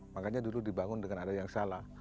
makanya dulu dibangun dengan ada yang salah